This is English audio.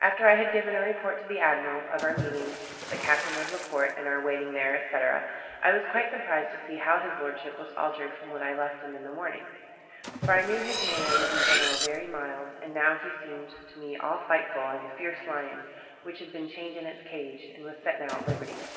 After I had given our report to the admiral, of our meeting the captain of the port, and our waiting there, &c., I was quite surprised to see how his lordship was altered from what I left him in the morning; for I knew his manner was in general very mild, and now he seemed to me all fightful, as a fierce lion, which had been chained in its cage, and was set at liberty.